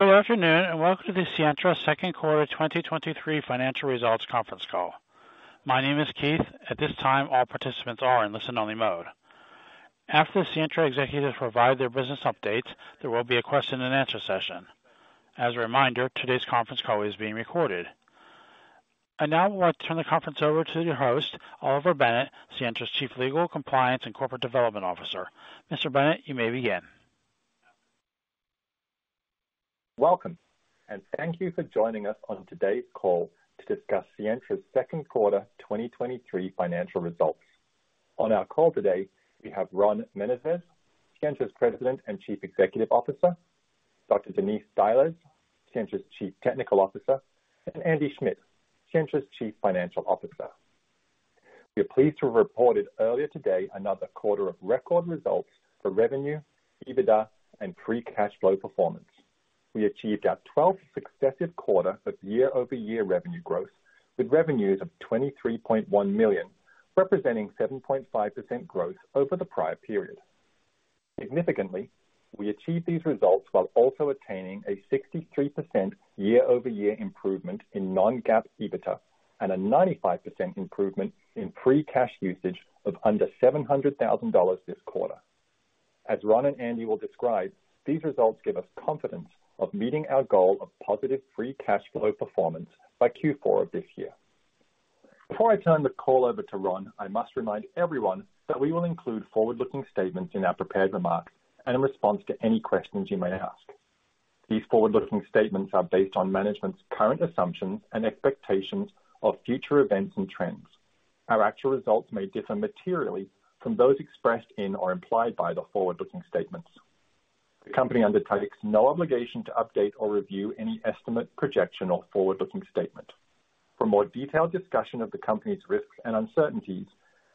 Good afternoon, welcome to the Sientra Second Quarter 2023 Financial Results Conference Call. My name is Keith. At this time, all participants are in listen-only mode. After the Sientra executives provide their business update, there will be a question-and-answer session. As a reminder, today's conference call is being recorded. I now would like to turn the conference over to the host, Oliver Bennett, Sientra's Chief Legal, Compliance, and Corporate Development Officer. Mr. Bennett, you may begin. Welcome, and thank you for joining us on today's call to discuss Sientra's second quarter 2023 financial results. On our call today, we have Ron Menezes, Sientra's President and Chief Executive Officer, Dr. Denise Dajles, Sientra's Chief Technical Officer, Andy Schmidt, Sientra's Chief Financial Officer. We are pleased to have reported earlier today another quarter of record results for revenue, EBITDA, and free cash flow performance. We achieved our twelfth successive quarter of year-over-year revenue growth, with revenues of $23.1 million, representing 7.5% growth over the prior period. Significantly, we achieved these results while also attaining a 63% year-over-year improvement in non-GAAP EBITDA, and a 95% improvement in free cash usage of under $700,000 this quarter. As Ron Menezes and Andy Schmidt will describe, these results give us confidence of meeting our goal of positive free cash flow performance by fourth quarter of this year. Before I turn the call over to Ron Menezes, I must remind everyone that we will include forward-looking statements in our prepared remarks and in response to any questions you may ask. These forward-looking statements are based on management's current assumptions and expectations of future events and trends. Our actual results may differ materially from those expressed in or implied by the forward-looking statements. The company undertakes no obligation to update or review any estimate, projection, or forward-looking statement. For more detailed discussion of the company's risks and uncertainties,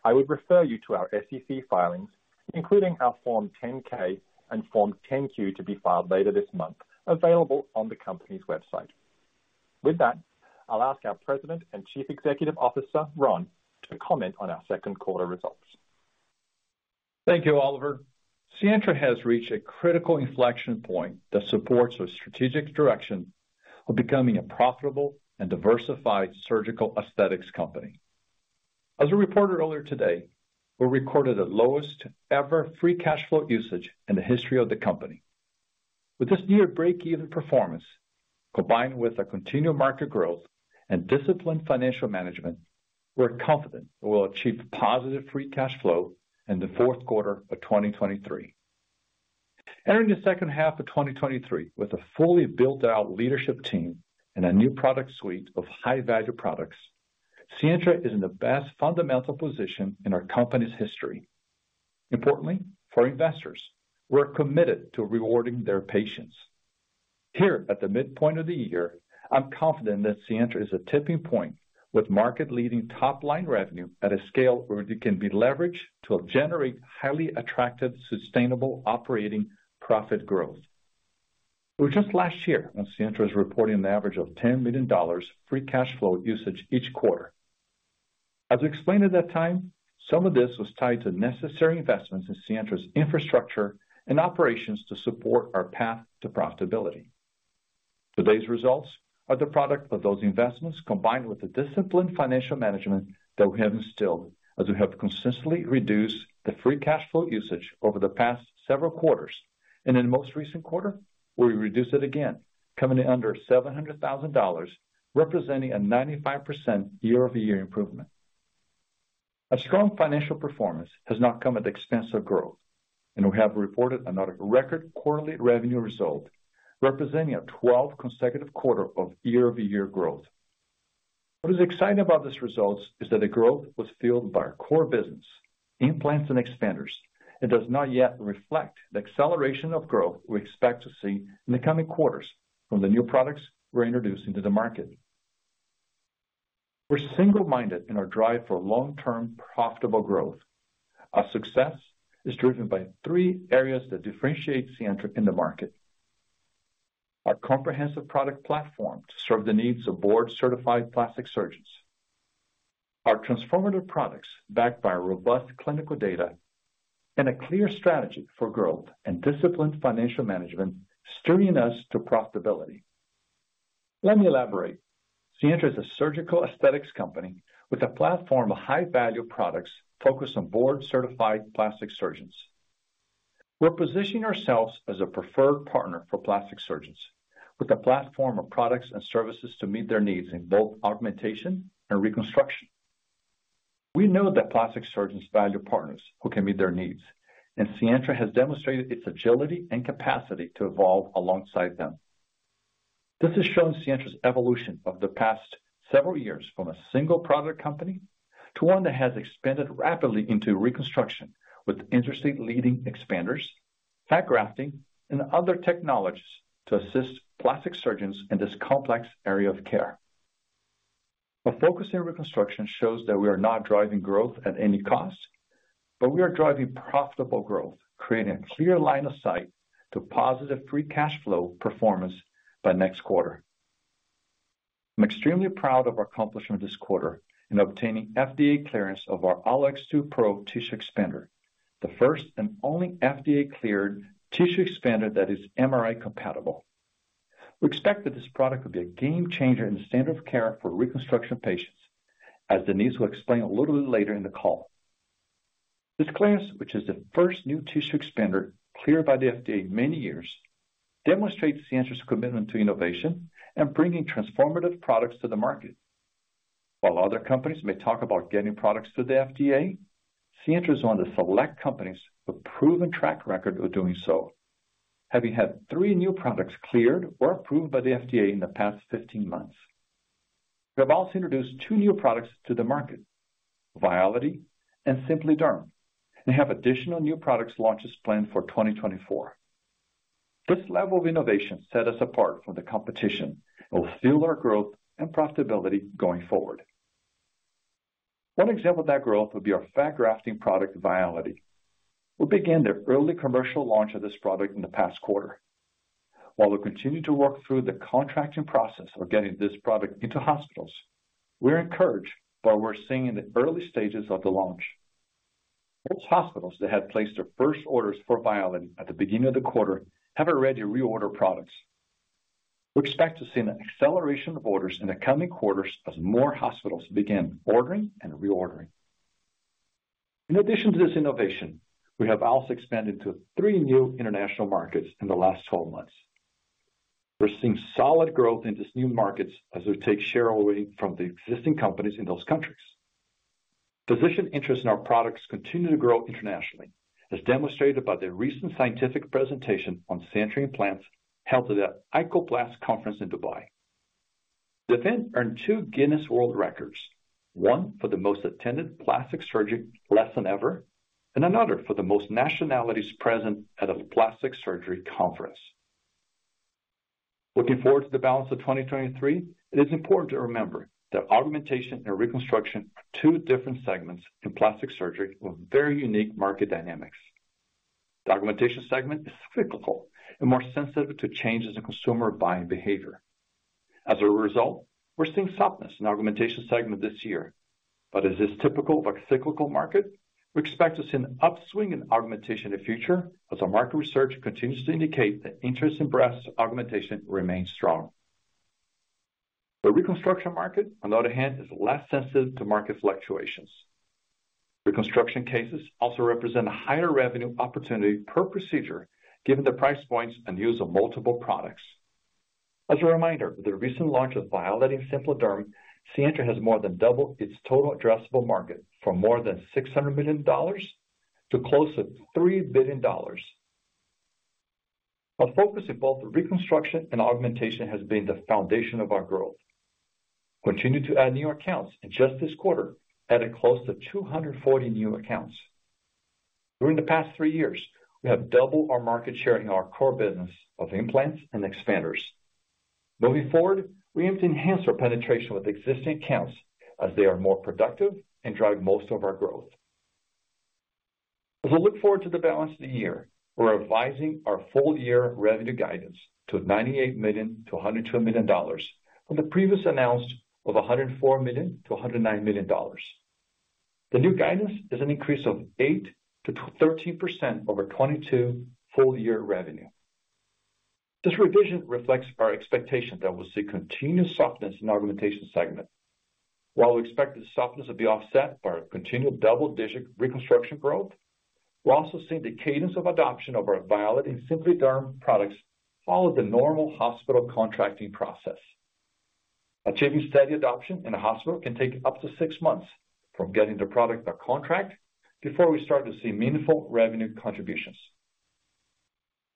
I would refer you to our SEC filings, including our Form 10-K and Form 10-Q, to be filed later this month, available on the company's website. With that, I'll ask our President and Chief Executive Officer, Ron, to comment on our second quarter results. Thank you, Oliver. Sientra has reached a critical inflection point that supports our strategic direction of becoming a profitable and diversified surgical aesthetics company. As we reported earlier today, we recorded the lowest ever free cash flow usage in the history of the company. With this near breakeven performance, combined with our continued market growth and disciplined financial management, we're confident we'll achieve positive free cash flow in the fourth quarter of 2023. Entering the second half of 2023 with a fully built-out leadership team and a new product suite of high-value products, Sientra is in the best fundamental position in our company's history. Importantly, for investors, we're committed to rewarding their patience. Here, at the midpoint of the year, I'm confident that Sientra is a tipping point with market-leading top-line revenue at a scale where it can be leveraged to generate highly attractive, sustainable operating profit growth. It was just last year when Sientra was reporting an average of $10 million free cash flow usage each quarter. As we explained at that time, some of this was tied to necessary investments in Sientra's infrastructure and operations to support our path to profitability. Today's results are the product of those investments, combined with the disciplined financial management that we have instilled as we have consistently reduced the free cash flow usage over the past several quarters. In the most recent quarter, we reduced it again, coming in under $700,000, representing a 95% year-over-year improvement. A strong financial performance has not come at the expense of growth, and we have reported another record quarterly revenue result, representing a 12 consecutive quarter of year-over-year growth. What is exciting about these results is that the growth was fueled by our core business, implants and expanders, and does not yet reflect the acceleration of growth we expect to see in the coming quarters from the new products we're introducing to the market. We're single-minded in our drive for long-term, profitable growth. Our success is driven by three areas that differentiate Sientra in the market. Our comprehensive product platform to serve the needs of board-certified plastic surgeons, our transformative products, backed by robust clinical data, and a clear strategy for growth and disciplined financial management, steering us to profitability. Let me elaborate. Sientra is a surgical aesthetics company with a platform of high-value products focused on board-certified plastic surgeons. We're positioning ourselves as a preferred partner for plastic surgeons, with a platform of products and services to meet their needs in both augmentation and reconstruction. We know that plastic surgeons value partners who can meet their needs. Sientra has demonstrated its agility and capacity to evolve alongside them. This has shown Sientra's evolution of the past several years from a single-product company to one that has expanded rapidly into reconstruction with industry-leading expanders, fat grafting, and other technologies to assist plastic surgeons in this complex area of care. Our focus in reconstruction shows that we are not driving growth at any cost, but we are driving profitable growth, creating a clear line of sight to positive free cash flow performance by next quarter. I'm extremely proud of our accomplishment this quarter in obtaining FDA clearance of our AlloX2 Pro tissue expander, the first and only FDA-cleared tissue expander that is MRI compatible. We expect that this product will be a game changer in the standard of care for reconstruction patients, as Denise will explain a little bit later in the call. This clearance, which is the first new tissue expander cleared by the FDA in many years, demonstrates Sientra's commitment to innovation and bringing transformative products to the market. While other companies may talk about getting products to the FDA, Sientra is one of the select companies with proven track record of doing so, having had three new products cleared or approved by the FDA in the past 15 months. We have also introduced two new products to the market, Viality and SimpliDerm, and have additional new products launches planned for 2024. This level of innovation set us apart from the competition and will fuel our growth and profitability going forward. One example of that growth would be our fat grafting product, Viality. We began the early commercial launch of this product in the past quarter. While we continue to work through the contracting process of getting this product into hospitals, we're encouraged by what we're seeing in the early stages of the launch. Most hospitals that had placed their first orders for Viality at the beginning of the quarter have already reordered products. We expect to see an acceleration of orders in the coming quarters as more hospitals begin ordering and reordering. In addition to this innovation, we have also expanded to three new international markets in the last 12 months. We're seeing solid growth in these new markets as we take share away from the existing companies in those countries. Physician interest in our products continue to grow internationally, as demonstrated by the recent scientific presentation on Sientra implants held at the ICOPLAST conference in Dubai. The event earned two Guinness World Records, one for the most attended plastic surgery lesson ever, and another for the most nationalities present at a plastic surgery conference. Looking forward to the balance of 2023, it is important to remember that augmentation and reconstruction are two different segments in plastic surgery with very unique market dynamics. The augmentation segment is cyclical and more sensitive to changes in consumer buying behavior. As a result, we're seeing softness in the augmentation segment this year. As is typical of a cyclical market, we expect to see an upswing in augmentation in the future as our market research continues to indicate that interest in breast augmentation remains strong. The reconstruction market, on the other hand, is less sensitive to market fluctuations. Reconstruction cases also represent a higher revenue opportunity per procedure, given the price points and use of multiple products. As a reminder, with the recent launch of Viality and SimpliDerm, Sientra has more than doubled its total addressable market from more than $600 million to close to $3 billion. Our focus in both reconstruction and augmentation has been the foundation of our growth. We continue to add new accounts, just this quarter, added close to 240 new accounts. During the past three years, we have doubled our market share in our core business of implants and expanders. Moving forward, we aim to enhance our penetration with existing accounts as they are more productive and drive most of our growth. As we look forward to the balance of the year, we're revising our full year revenue guidance to $98 to 102 million from the previous announced of $104 to 109 million. The new guidance is an increase of 8% to 13% over 2022 full year revenue. This revision reflects our expectation that we'll see continued softness in the augmentation segment. While we expect the softness to be offset by our continued double-digit reconstruction growth, we're also seeing the cadence of adoption of our Viality and SimpliDerm products follow the normal hospital contracting process. Achieving steady adoption in a hospital can take up to six months from getting the product or contract before we start to see meaningful revenue contributions.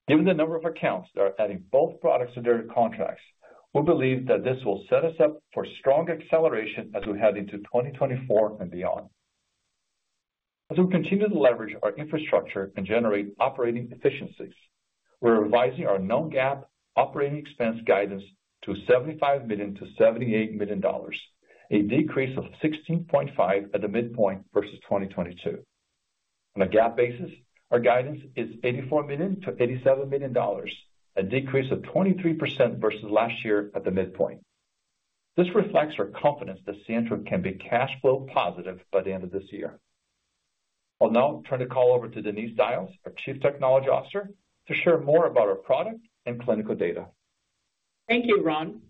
Given the number of accounts that are adding both products to their contracts, we believe that this will set us up for strong acceleration as we head into 2024 and beyond. As we continue to leverage our infrastructure and generate operating efficiencies, we're revising our non-GAAP operating expense guidance to $75 to 78 million, a decrease of 16.5 at the midpoint versus 2022. On a GAAP basis, our guidance is $84 to 87 million, a decrease of 23% versus last year at the midpoint. This reflects our confidence that Sientra can be cash flow positive by the end of this year. I'll now turn the call over to Denise Dajles, our Chief Technology Officer, to share more about our product and clinical data. Thank you, Ron.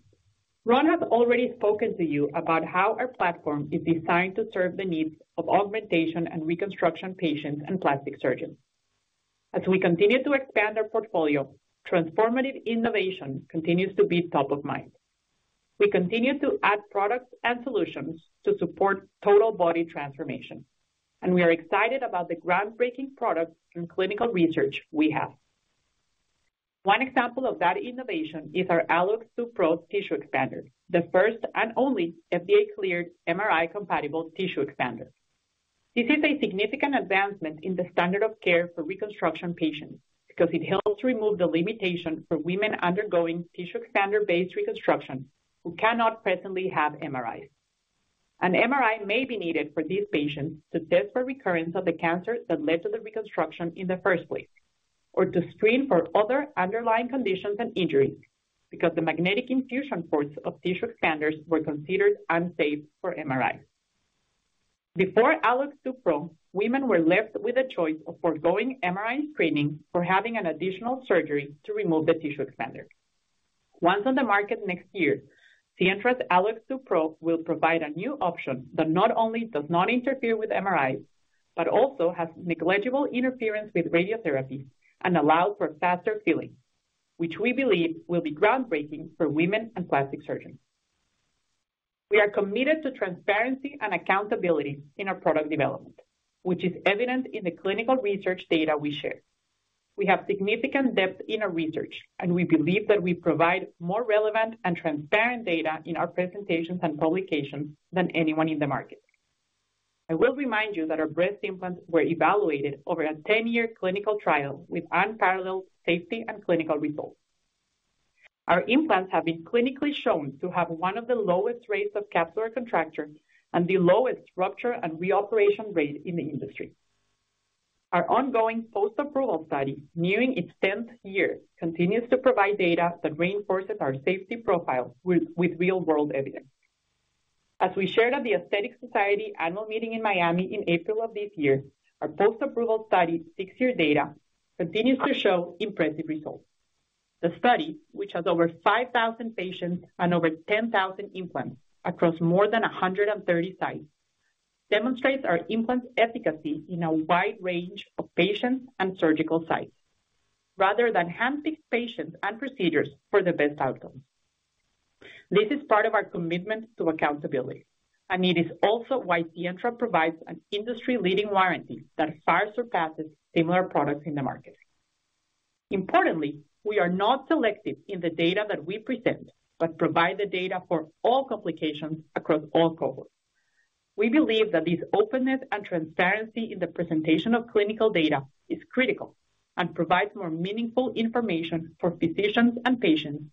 Ron has already spoken to you about how our platform is designed to serve the needs of augmentation and reconstruction patients and plastic surgeons. We continue to expand our portfolio, transformative innovation continues to be top of mind. We continue to add products and solutions to support total body transformation, and we are excited about the groundbreaking products and clinical research we have. One example of that innovation is our AlloX2 Pro tissue expander, the first and only FDA-cleared MRI-compatible tissue expander. This is a significant advancement in the standard of care for reconstruction patients because it helps remove the limitation for women undergoing tissue expander-based reconstruction who cannot presently have MRIs. An MRI may be needed for these patients to test for recurrence of the cancer that led to the reconstruction in the first place, or to screen for other underlying conditions and injuries, because the magnetic infusion ports of tissue expanders were considered unsafe for MRI. Before AlloX2 Pro, women were left with a choice of foregoing MRI screening or having an additional surgery to remove the tissue expander. Once on the market next year, Sientra's AlloX2 Pro will provide a new option that not only does not interfere with MRIs but also has negligible interference with radiotherapy and allows for faster healing, which we believe will be groundbreaking for women and plastic surgeons. We are committed to transparency and accountability in our product development, which is evident in the clinical research data we share. We have significant depth in our research, and we believe that we provide more relevant and transparent data in our presentations and publications than anyone in the market. I will remind you that our breast implants were evaluated over a 10-year clinical trial with unparalleled safety and clinical results. Our implants have been clinically shown to have one of the lowest rates of capsular contracture and the lowest rupture and reoperation rate in the industry. Our ongoing post-approval study, nearing its 10th year, continues to provide data that reinforces our safety profile with real-world evidence. As we shared at the Aesthetic Society Annual Meeting in Miami in April of this year, our post-approval study six-year data continues to show impressive results. The study, which has over 5,000 patients and over 10,000 implants across more than 130 sites, demonstrates our implant efficacy in a wide range of patients and surgical sites, rather than handpick patients and procedures for the best outcome. This is part of our commitment to accountability, and it is also why Sientra provides an industry-leading warranty that far surpasses similar products in the market. Importantly, we are not selective in the data that we present, but provide the data for all complications across all cohorts. We believe that this openness and transparency in the presentation of clinical data is critical and provides more meaningful information for physicians and patients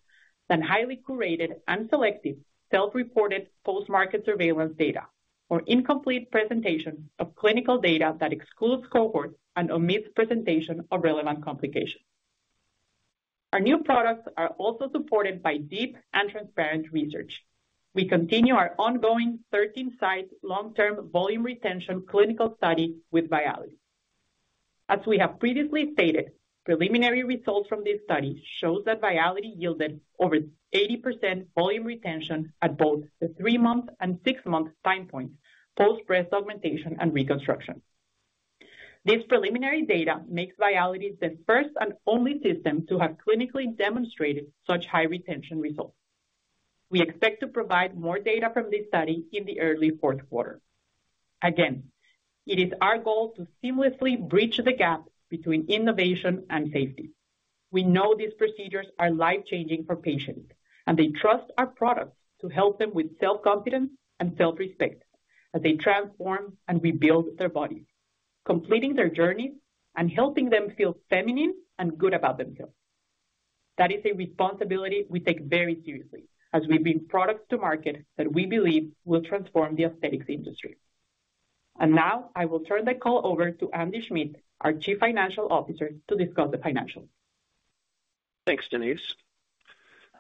than highly curated and selective, self-reported post-market surveillance data, or incomplete presentation of clinical data that excludes cohorts and omits presentation of relevant complications. Our new products are also supported by deep and transparent research. We continue our ongoing 13-site, long-term volume retention clinical study with Viality. As we have previously stated, preliminary results from this study show that Viality yielded over 80% volume retention at both the three-month and six-month time points, post-breast augmentation and reconstruction. This preliminary data makes Viality the first and only system to have clinically demonstrated such high retention results. We expect to provide more data from this study in the early fourth quarter. Again, it is our goal to seamlessly bridge the gap between innovation and safety. We know these procedures are life changing for patients, and they trust our products to help them with self-confidence and self-respect as they transform and rebuild their bodies, completing their journey and helping them feel feminine and good about themselves. That is a responsibility we take very seriously as we bring products to market that we believe will transform the aesthetics industry. Now I will turn the call over to Andy Schmidt, our Chief Financial Officer, to discuss the financials. Thanks, Denise.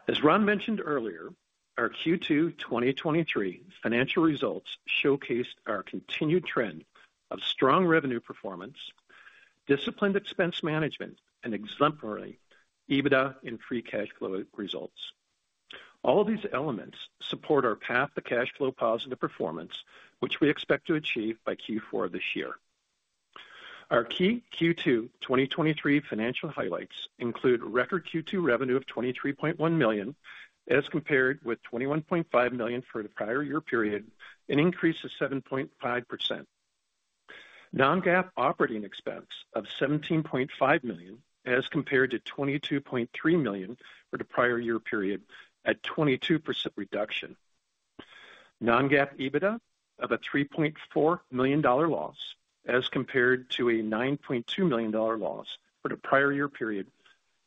As Ron mentioned earlier, our second quarter 2023 financial results showcased our continued trend of strong revenue performance, disciplined expense management, and exemplary EBITDA and free cash flow results. All of these elements support our path to cash flow positive performance, which we expect to achieve by fourth quarter this year. Our key second quarter 2023 financial highlights include record second quarter revenue of $23.1 million, as compared with $21.5 million for the prior year period, an increase of 7.5%. Non-GAAP operating expense of $17.5 million, as compared to $22.3 million for the prior year period, a 22% reduction. non-GAAP EBITDA of a $3.4 million loss, as compared to a $9.2 million loss for the prior year period,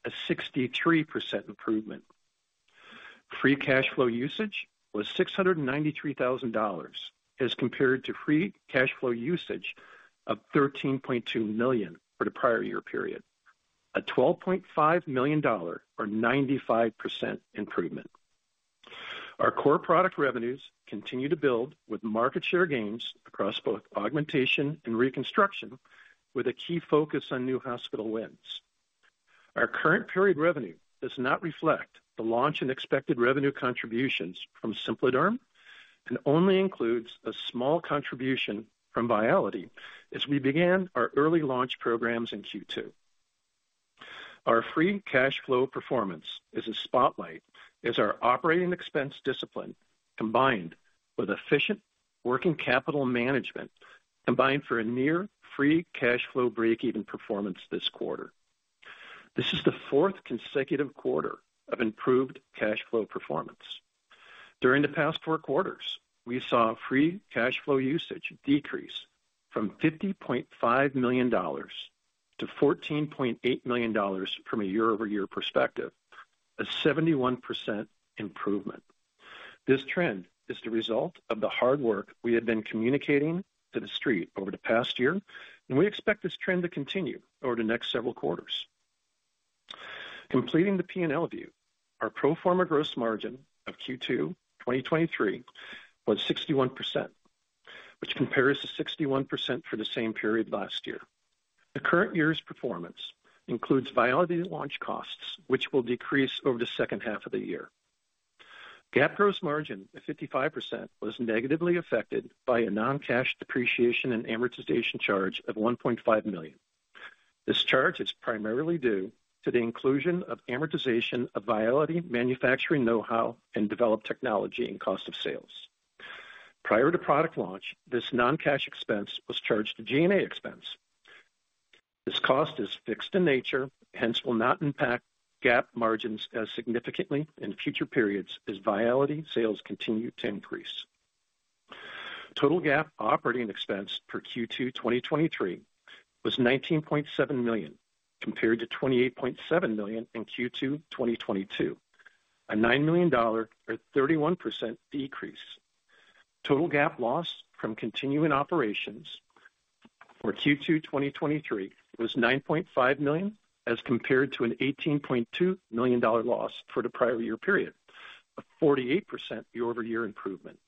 a 63% improvement. Free cash flow usage was $693,000, as compared to free cash flow usage of $13.2 million for the prior year period, a $12.5 million or 95% improvement. Our core product revenues continue to build with market share gains across both augmentation and reconstruction, with a key focus on new hospital wins. Our current period revenue does not reflect the launch and expected revenue contributions from SimpliDerm, and only includes a small contribution from Viality as we began our early launch programs in second quarter. Our free cash flow performance is a spotlight as our operating expense discipline, combined with efficient working capital management, combined for a near free cash flow break-even performance this quarter. This is the fourth consecutive quarter of improved cash flow performance. During the past four quarters, we saw free cash flow usage decrease from $50.5 to 14.8 million from a year-over-year perspective. A 71% improvement. This trend is the result of the hard work we have been communicating to the Street over the past year, and we expect this trend to continue over the next several quarters. Completing the P&L view, our pro forma gross margin of second quarter 2023 was 61%, which compares to 61% for the same period last year. The current year's performance includes Viality launch costs, which will decrease over the second half of the year. GAAP gross margin of 55% was negatively affected by a non-cash depreciation and amortization charge of $1.5 million. This charge is primarily due to the inclusion of amortization of Viality manufacturing know-how and developed technology and cost of sales. Prior to product launch, this non-cash expense was charged to G&A expense. This cost is fixed in nature, hence will not impact GAAP margins as significantly in future periods as Viality sales continue to increase. Total GAAP operating expense for second quarter 2023 was $19.7 million, compared to $28.7 million in second quarter 2022, a $9 million or 31% decrease. Total GAAP loss from continuing operations for second quarter 2023 was $9.5 million, as compared to an $18.2 million loss for the prior year period, a 48% year-over-year improvement.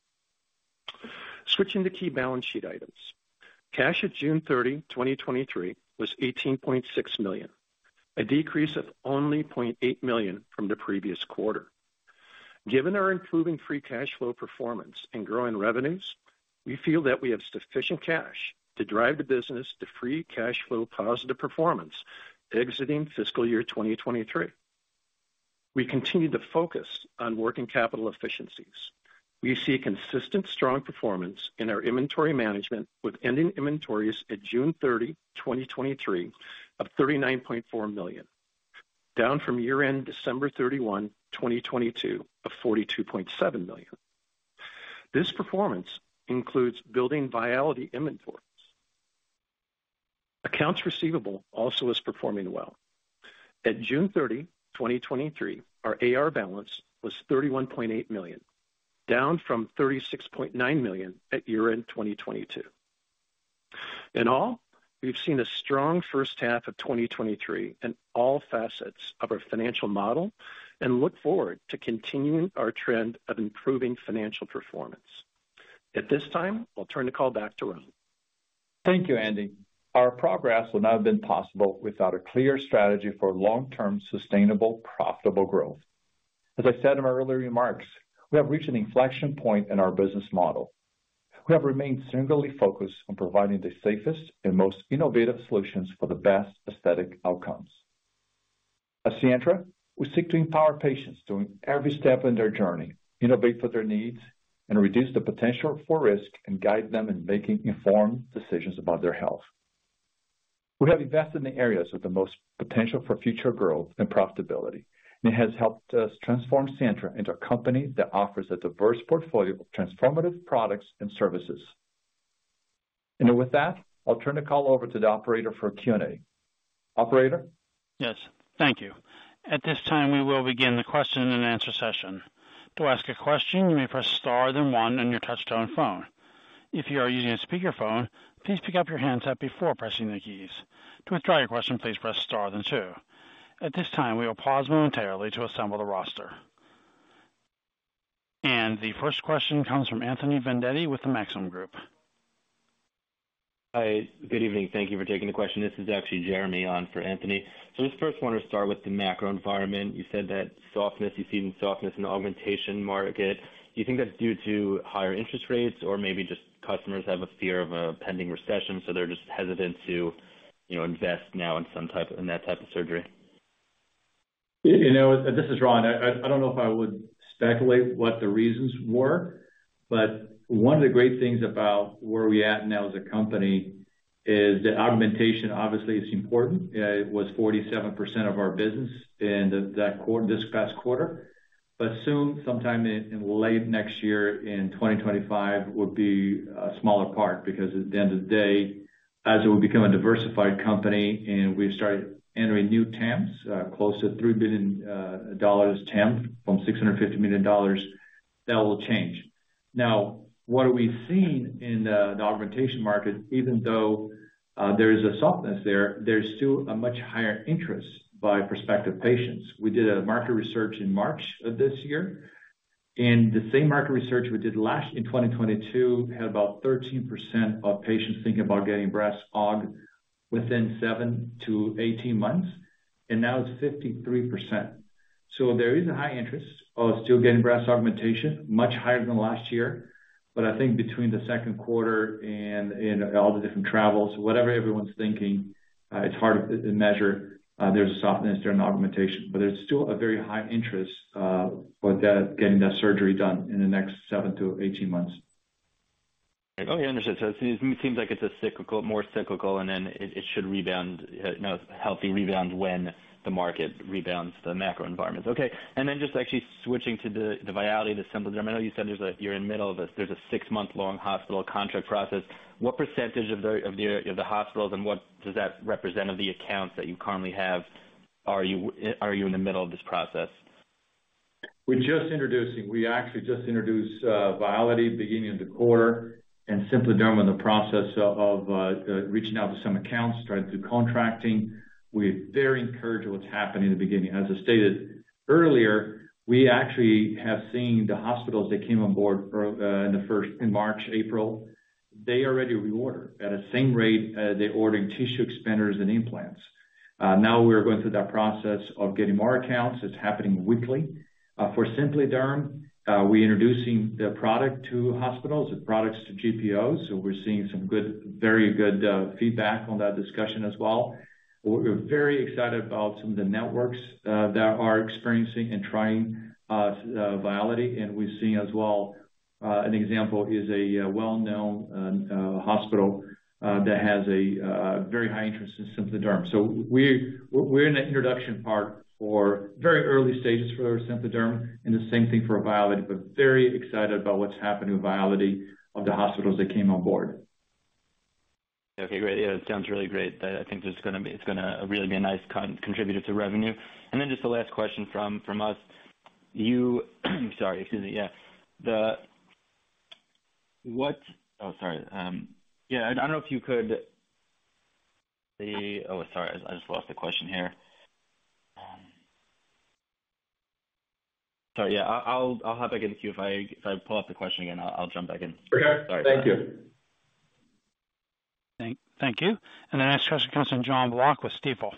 Switching to key balance sheet items. Cash at 30 June 2023, was $18.6 million, a decrease of only $0.8 million from the previous quarter. Given our improving free cash flow performance and growing revenues, we feel that we have sufficient cash to drive the business to free cash flow positive performance exiting fiscal year 2023. We continue to focus on working capital efficiencies. We see consistent, strong performance in our inventory management, with ending inventories at 30 June 2023 of $39.4 million, down from year-end 31 December 2022 of $42.7 million. This performance includes building Viality inventories. Accounts receivable also is performing well. At 30 June 2023, our AR balance was $31.8 million, down from $36.9 million at year-end 2022. In all, we've seen a strong first half of 2023 in all facets of our financial model and look forward to continuing our trend of improving financial performance. At this time, I'll turn the call back to Ron. Thank you, Andy. Our progress would not have been possible without a clear strategy for long-term, sustainable, profitable growth. As I said in my earlier remarks, we have reached an inflection point in our business model. We have remained singularly focused on providing the safest and most innovative solutions for the best aesthetic outcomes. At Sientra, we seek to empower patients during every step in their journey, innovate for their needs, and reduce the potential for risk and guide them in making informed decisions about their health. We have invested in the areas with the most potential for future growth and profitability, and it has helped us transform Sientra into a company that offers a diverse portfolio of transformative products and services. With that, I'll turn the call over to the operator for Q&A. Operator? Yes, thank you. At this time, we will begin the question-and-answer session. To ask a question, you may press star, then one on your touchtone phone. If you are using a speakerphone, please pick up your handset before pressing the keys. To withdraw your question, please press star, then two. At this time, we will pause momentarily to assemble the roster. The first question comes from Anthony Vendetti with the Maxim Group. Hi, good evening. Thank you for taking the question. This is actually Jeremy on for Anthony. I just first want to start with the macro environment. You said that softness, you've seen softness in the augmentation market. Do you think that's due to higher interest rates or maybe just customers have a fear of a pending recession, so they're just hesitant to, you know, invest now in some type of- in that type of surgery? You know, this is Ron. I, I don't know if I would speculate what the reasons were, but one of the great things about where we at now as a company is that augmentation, obviously, is important. It was 47% of our business in the, that quarter, this past quarter. But soon, sometime in, in late next year, in 2025, will be a smaller part, because at the end of the day, as we become a diversified company and we've started entering new TAMs, close to $3 billion TAM from $650 million, that will change. Now, what we've seen in the augmentation market, even though there is a softness there, there's still a much higher interest by prospective patients. We did a market research in March of this year. The same market research we did last, in 2022, had about 13% of patients thinking about getting breast aug within seven to 18 months, and now it's 53%. There is a high interest of still getting breast augmentation, much higher than last year, but I think between the second quarter and, and all the different travels, whatever everyone's thinking, it's hard to measure. There's a softness during augmentation, but there's still a very high interest for that, getting that surgery done in the next seven to 18 months. Oh, yeah, understood. It seems, seems like it's a cyclical, more cyclical, and then it, it should rebound, you know, healthy rebound when the market rebounds, the macro environment. Just actually switching to the Viality, the assembly. I know you said there's a, you're in the middle of a, there's a six-month-long hospital contract process. What % of the, of the, of the hospitals and what does that represent of the accounts that you currently have, are you, are you in the middle of this process? We're just introducing, we actually just introduced Viality beginning of the quarter, and SimpliDerm in the process of reaching out to some accounts, trying to do contracting. We're very encouraged what's happening in the beginning. As I stated earlier, we actually have seen the hospitals that came on board for in the first, in March, April, they already reorder at the same rate as they ordered tissue expanders and implants. Now we're going through that process of getting more accounts. It's happening weekly. For SimpliDerm, we're introducing the product to hospitals and products to GPOs, so we're seeing some good, very good feedback on that discussion as well. We're very excited about some of the networks that are experiencing and trying Viality, and we've seen as well, an example is a well-known hospital that has a very high interest in SimpliDerm. We're in the introduction part for very early stages for our SimpliDerm, and the same thing for Viality, but very excited about what's happening with Viality of the hospitals that came on board. Okay, great. Yeah, it sounds really great. I think it's gonna really be a nice contributor to revenue. Just the last question from us. You, sorry, excuse me. Yeah. The, what... Oh, sorry. Yeah, I don't know if you could see... Oh, sorry, I just lost the question here. Yeah, I'll, I'll hop back in queue. If I, if I pull up the question again, I'll jump back in. Okay. Sorry. Thank you. Thank-thank you. The next question comes from Jonathan Block with Stifel.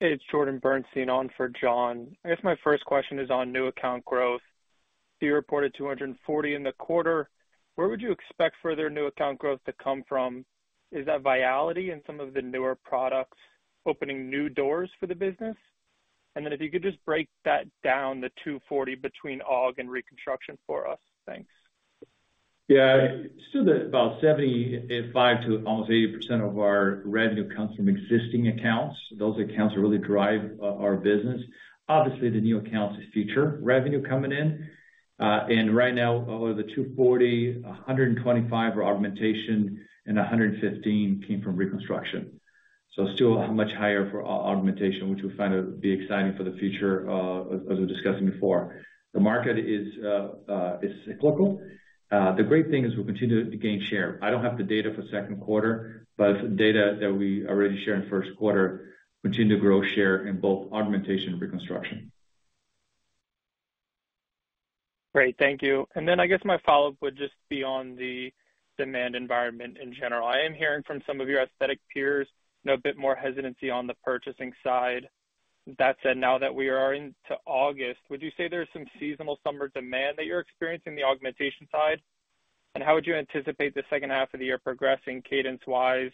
Hey, it's Jordan Bernstein on for John. I guess my first question is on new account growth. You reported 240 in the quarter. Where would you expect further new account growth to come from? Is that Viality and some of the newer products opening new doors for the business? Then if you could just break that down, the 240 between aug and reconstruction for us. Thanks. Yeah. The, about 75% to almost 80% of our revenue comes from existing accounts. Those accounts really drive our, our business. Obviously, the new accounts is future revenue coming in. And right now, over the 240, 125 are augmentation and 115 came from reconstruction. Still much higher for au-augmentation, which we find to be exciting for the future, as we were discussing before. The market is, is cyclical. The great thing is we continue to gain share. I don't have the data for second quarter, but data that we already share in first quarter continue to grow share in both augmentation and reconstruction. Great. Thank you. I guess my follow-up would just be on the demand environment in general. I am hearing from some of your aesthetic peers, you know, a bit more hesitancy on the purchasing side. That said, now that we are into August, would you say there's some seasonal summer demand that you're experiencing in the augmentation side? How would you anticipate the second half of the year progressing cadence-wise,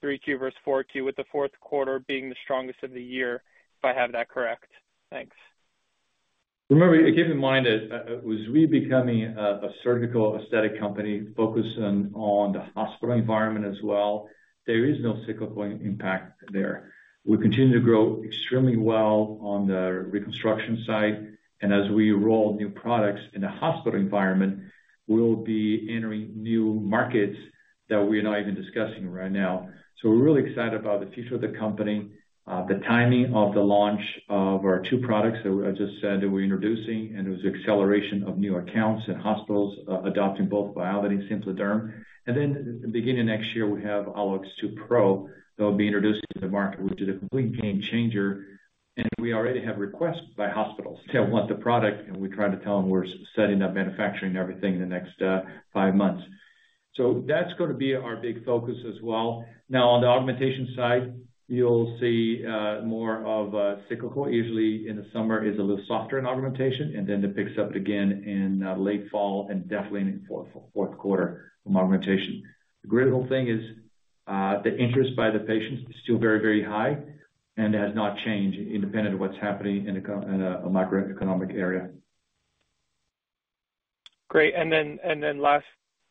third quarter versus fourth quarter, with the fourth quarter being the strongest of the year, if I have that correct? Thanks. Remember, keep in mind that as we becoming a surgical aesthetic company focusing on the hospital environment as well, there is no cyclical impact there. We continue to grow extremely well on the reconstruction side, and as we roll new products in a hospital environment, we'll be entering new markets that we're not even discussing right now. We're really excited about the future of the company, the timing of the launch of our two products, I just said, that we're introducing, and it was acceleration of new accounts and hospitals adopting both Viality and SimpliDerm. Then the beginning of next year, we have AlloX2 Pro that will be introduced to the market, which is a complete game changer. We already have requests by hospitals. They want the product, we try to tell them we're setting up manufacturing everything in the next five months. That's going to be our big focus as well. On the augmentation side, you'll see more of a cyclical. Usually in the summer is a little softer in augmentation, and then it picks up again in late fall and definitely in fourth quarter from augmentation. The critical thing is, the interest by the patients is still very, very high and has not changed independent of what's happening in a macroeconomic area. Great. And then last,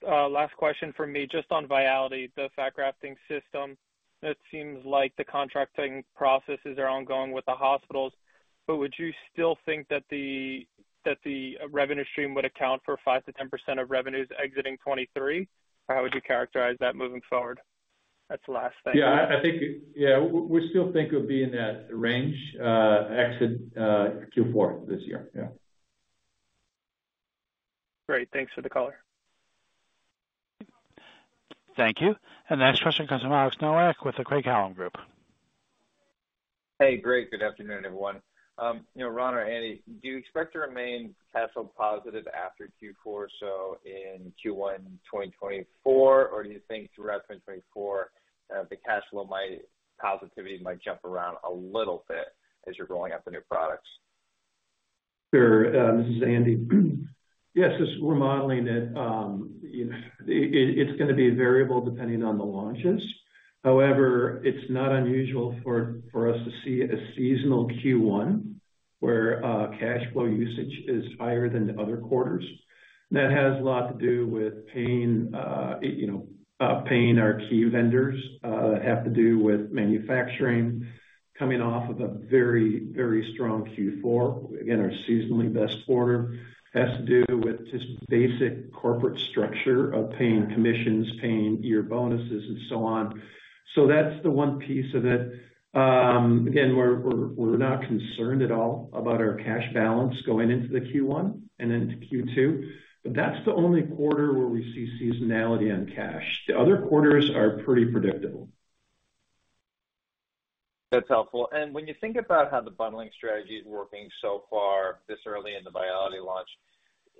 last question for me, just on Viality, the fat grafting system. It seems like the contracting processes are ongoing with the hospitals, would you still think that the, that the revenue stream would account for 5% to 10% of revenues exiting 2023? How would you characterize that moving forward? That's the last thing. Yeah, I, I think, yeah, we still think it would be in that range, exit fourth quarter this year. Yeah. Great. Thanks for the color. Thank you. The next question comes from Alex Nowak with the Craig-Hallum Group. Hey, great. Good afternoo\n, everyone. you know, Ron or Andy, do you expect to remain cash flow positive after fourth quarter, so in first quarter 2024? Do you think throughout 2024, the cash flow might, positivity might jump around a little bit as you're rolling out the new products? Sure. This is Andy. Yes, we're modeling it. It's gonna be variable depending on the launches. However, it's not unusual for us to see a seasonal first quarter, where cash flow usage is higher than the other quarters. That has a lot to do with paying, you know, paying our key vendors, have to do with manufacturing coming off of a very, very strong fourth quarter. Again, our seasonally best quarter has to do with just basic corporate structure of paying commissions, paying year bonuses, and so on. That's the one piece of it. Again, we're, we're, we're not concerned at all about our cash balance going into the first quarter and into second quarter, but that's the only quarter where we see seasonality on cash. The other quarters are pretty predictable. That's helpful. When you think about how the bundling strategy is working so far this early in the Viality launch,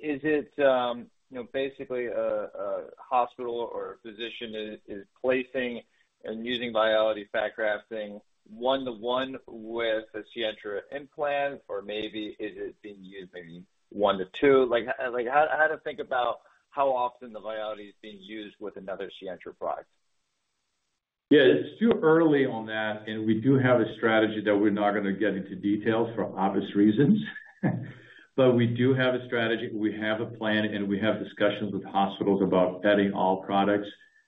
is it, you know, basically a, a hospital or a physician is, is placing and using Viality fat grafting one-to-one with a Sientra implant? Or maybe is it being used maybe one to two? Like, like, how, how to think about how often the Viality is being used with another Sientra product? Yeah, it's too early on that. We do have a strategy that we're not going to get into details for obvious reasons. We do have a strategy, we have a plan, and we have discussions with hospitals about adding all products.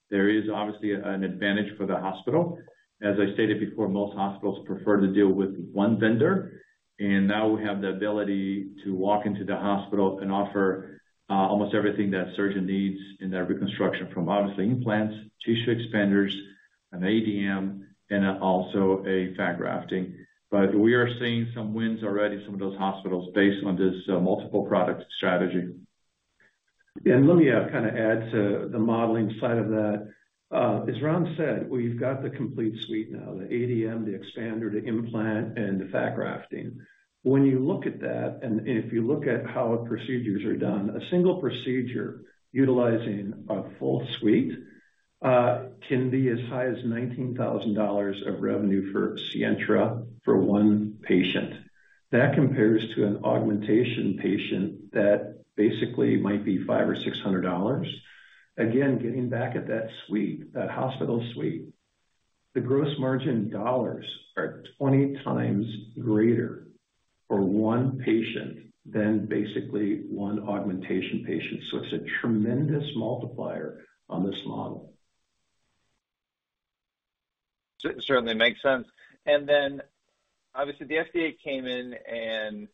There is obviously an advantage for the hospital. As I stated before, most hospitals prefer to deal with one vendor, and now we have the ability to walk into the hospital and offer almost everything that a surgeon needs in their reconstruction, from obviously implants, tissue expanders, an ADM, and also a fat grafting. We are seeing some wins already in some of those hospitals based on this multiple product strategy. Let me kind of add to the modeling side of that. As Ron said, we've got the complete suite now, the ADM, the expander, the implant, and the fat grafting. When you look at that, and, and if you look at how procedures are done, a single procedure utilizing a full suite, can be as high as $19,000 of revenue for Sientra for one patient. That compares to an augmentation patient that basically might be $500 to 600. Again, getting back at that suite, that hospital suite, the gross margin dollars are 20 times greater for one patient than basically one augmentation patient. It's a tremendous multiplier on this model. Certainly makes sense. Then, obviously, the FDA came in and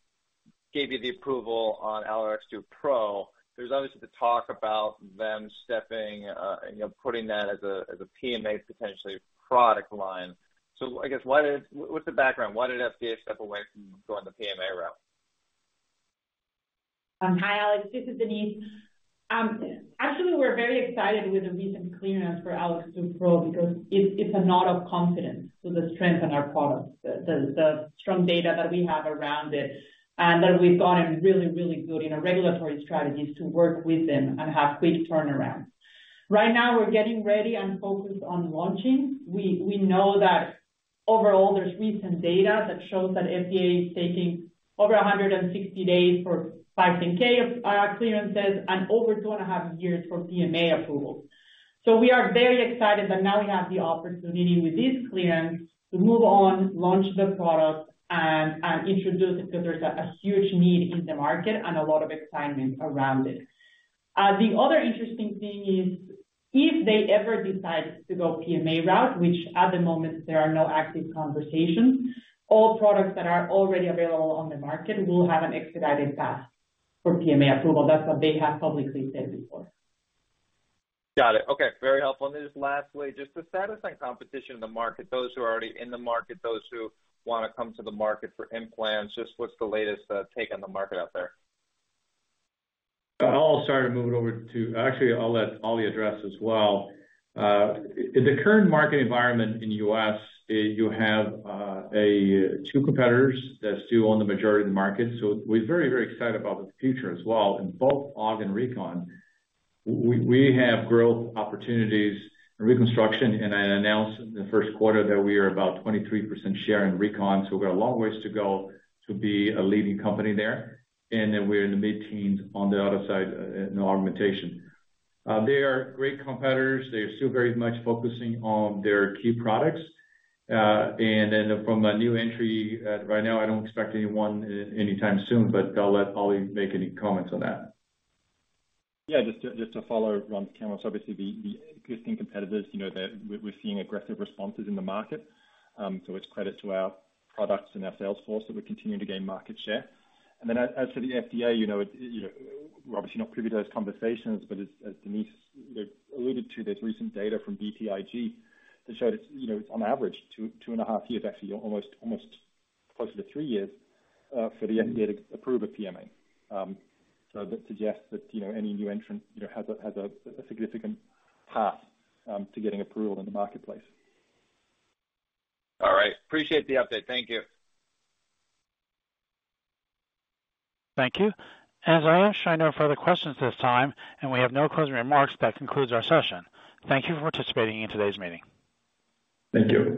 gave you the approval on AlloX2 Pro. There's obviously the talk about them stepping, you know, putting that as a, as a PMA, potentially product line. I guess, why did what's the background? Why did FDA step away from going the PMA route? Hi, Alex Nowak, this is Denise Dajles. Actually, we're very excited with the recent clearance for AlloX2 Pro because it's, it's a nod of confidence to the strength in our products, the, the, the strong data that we have around it, and that we've gotten really, really good in our regulatory strategies to work with them and have quick turnaround. Right now, we're getting ready and focused on launching. We, we know that overall, there's recent data that shows that FDA is taking over 160 days for 510(k) of clearances and over 2.5 years for PMA approval. We are very excited that now we have the opportunity with this clearance to move on, launch the product, and, and introduce it, because there's a, a huge need in the market and a lot of excitement around it. The other interesting thing is, if they ever decide to go PMA route, which at the moment there are no active conversations, all products that are already available on the market will have an expedited path for PMA approval. That's what they have publicly said before. Got it. Okay, very helpful. Then just lastly, just the satisfying competition in the market, those who are already in the market, those who want to come to the market for implants, just what's the latest take on the market out there? Actually, I'll let Ollie address as well. In the current market environment in US, you have a two competitors that still own the majority of the market. We're very, very excited about the future as well. In both aug and recon, we have growth opportunities in reconstruction, and I announced in the first quarter that we are about 23% share in recon, so we've got a long ways to go to be a leading company there. Then we're in the mid-teens on the other side, in augmentation. They are great competitors. They are still very much focusing on their key products. Then from a new entry, right now, I don't expect anyone anytime soon, but I'll let Ollie make any comments on that. Yeah, just to follow Ron's comments, obviously, the existing competitors, you know, that we're seeing aggressive responses in the market. It's credit to our products and our sales force, so we're continuing to gain market share. As for the FDA, you know, it, you know, we're obviously not privy to those conversations, but as Denise, you know, alluded to, there's recent data from BTIG that showed it's, you know, it's on average two, 2.5 years, actually, almost, almost closer to three years for the FDA to approve a PMA. That suggests that, you know, any new entrants, you know, has a significant path to getting approval in the marketplace. All right. Appreciate the update. Thank you. Thank you. As I ask, I know further questions this time. We have no closing remarks. That concludes our session. Thank you for participating in today's meeting. Thank you.